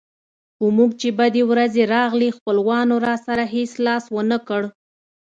په موږ چې بدې ورځې راغلې خپلوانو راسره هېڅ لاس ونه کړ.